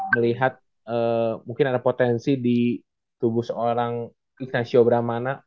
melihat mungkin ada potensi di tubuh seorang ignacio bram